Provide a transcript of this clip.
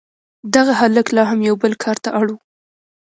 دغه هلک لا هم یو بل کار ته اړ و